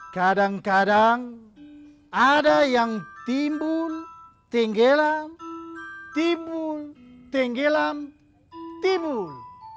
kadang kadang ada yang timbul tenggelam timbul tenggelam timbul